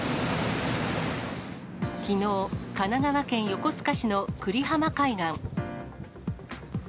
きのう、神奈川県横須賀市の久里浜海岸。